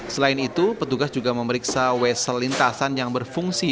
selain itu petugas juga memeriksa wesel lintasan yang berfungsi